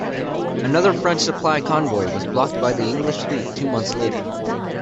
Another French supply convoy was blocked by the English fleet two months later.